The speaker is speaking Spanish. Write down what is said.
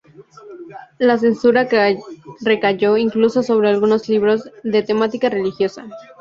La censura recayó incluso sobre algunos libros de temática religiosa.